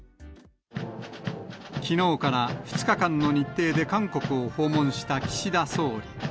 きのうから２日間の日程で韓国を訪問した岸田総理。